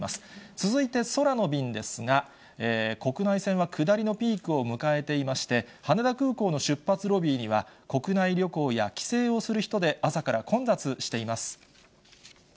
続いて空の便ですが、国内線は下りのピークを迎えていまして、羽田空港の出発ロビーには、国内旅行や帰省をする人で、朝から混雑しています。